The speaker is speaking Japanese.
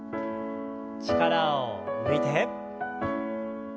力を抜いて。